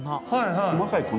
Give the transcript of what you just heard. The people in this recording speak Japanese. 細かい粉。